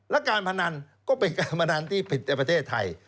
และการพนันก็เป็นการพนันที่ผิดในประเทศไทย